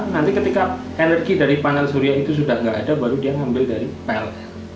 nanti ketika energi dari panel surya itu sudah tidak ada baru dia ngambil dari plt